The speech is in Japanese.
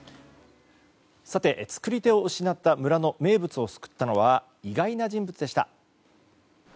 作り手を失った村の名物を救ったのは意外な人物でした。